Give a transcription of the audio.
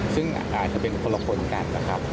ซึ่งอาจจะเป็นคนละคนกันนะครับ